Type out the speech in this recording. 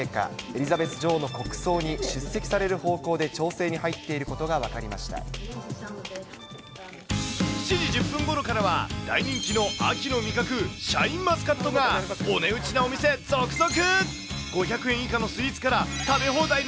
エリザベス女王の国葬に出席される方向で調整に入っていることが７時１０分ごろからは、大人気の秋の味覚、シャインマスカットがお値打ちのお店、続々。